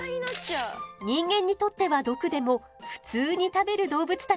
人間にとっては毒でも普通に食べる動物たちがいるのよ。